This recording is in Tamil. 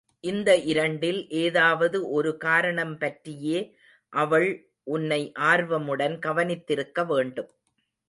இந்த இரண்டில் ஏதாவது ஒரு காரணம் பற்றியே அவள் உன்னை ஆர்வமுடன் கவனித்திருக்க வேண்டும்.